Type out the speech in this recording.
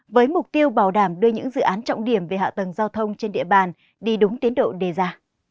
với mục tiêu bảo đảm đưa những dự án trọng điểm về hạ tầng giao thông trên địa bàn đi đúng tiến độ đề ra